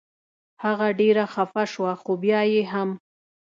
هغه ډېره خفه شوه خو بیا یې هم.